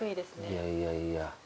いやいやいや。